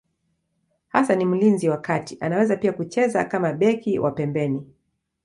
Hasa ni mlinzi wa kati, anaweza pia kucheza kama beki wa pembeni.